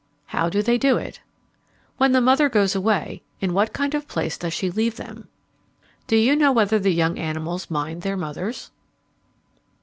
How do they do it? When the mother goes away, in what kind of a place does she leave them? Do you know whether the young animals mind their mothers?